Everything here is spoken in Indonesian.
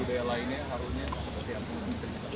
budaya lainnya harunya seperti apa